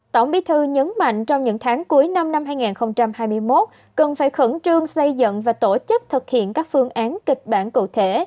tổng bí thư nhấn mạnh trong những tháng cuối năm năm hai nghìn hai mươi một cần phải khẩn trương xây dựng và tổ chức thực hiện các phương án kịch bản cụ thể